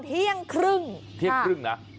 เที่ยงครึ่งนะ